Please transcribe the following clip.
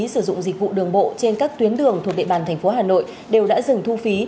sử dụng dịch vụ đường bộ trên các tuyến đường thuộc địa bàn thành phố hà nội đều đã dừng thu phí